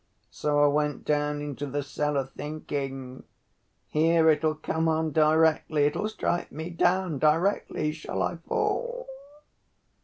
So I went down into the cellar thinking, 'Here, it'll come on directly, it'll strike me down directly, shall I fall?